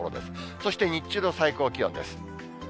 そして、日中の最高気温です。